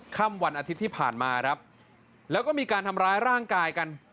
ค่ำวันอาทิตย์ที่ผ่านมาครับแล้วก็มีการทำร้ายร่างกายกัน